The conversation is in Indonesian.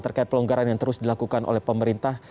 terkait pelonggaran yang terus dilakukan oleh pemerintah